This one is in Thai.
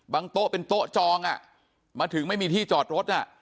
โต๊ะเป็นโต๊ะจองอ่ะมาถึงไม่มีที่จอดรถอ่ะ